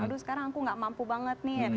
aduh sekarang aku gak mampu banget nih